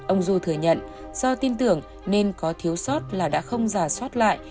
ông du thừa nhận do tin tưởng nên có thiếu sót là đã không giả soát lại